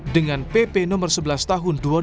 dengan peraturan yang dikaitkan dengan tni polri